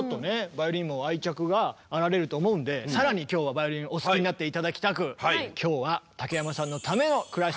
バイオリンにも愛着があられると思うんで更に今日はバイオリンお好きになって頂きたく今日は竹山さんのための「クラシックＴＶ」でございます。